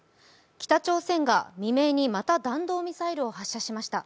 北朝鮮が未明にまた弾道ミサイルを発射しました。